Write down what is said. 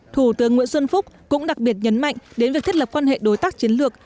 thủ tướng nguyễn xuân phúc cũng đặc biệt nhấn mạnh đến việc thiết lập quan hệ đối tác chiến lược